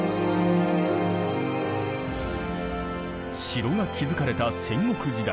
城が築かれた戦国時代。